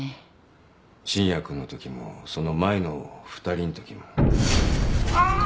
信也君のときもその前の２人のときも。